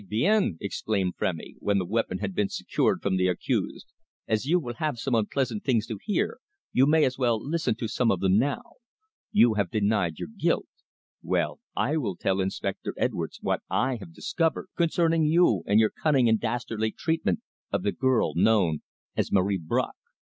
bien," exclaimed Frémy, when the weapon had been secured from the accused. "As you will have some unpleasant things to hear, you may as well listen to some of them now. You have denied your guilt. Well, I will tell Inspector Edwards what I have discovered concerning you and your cunning and dastardly treatment of the girl known as Marie Bracq."